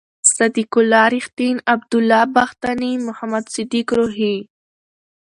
صد یق الله رېښتین، عبد الله بختاني، محمد صدیق روهي